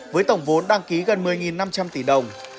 với tổng vốn đăng ký gần một mươi năm trăm linh tỷ đồng